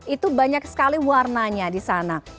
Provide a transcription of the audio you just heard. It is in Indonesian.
itu banyak sekali warnanya di sana